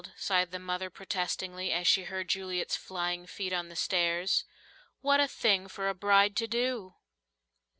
sighed the mother protestingly, as she heard Juliet's flying feet on the stairs. "What a thing for a bride to do!"